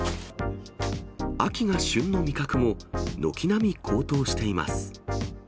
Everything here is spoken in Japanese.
秋が旬の味覚も、軒並み高騰しています。